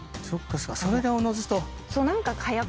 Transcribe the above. それでおのずと。